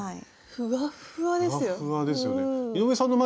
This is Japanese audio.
ふわっふわですよね。